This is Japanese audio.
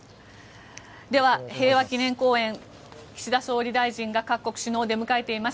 では、平和記念公園岸田総理大臣が各国首脳を出迎えています。